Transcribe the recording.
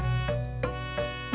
ada apa be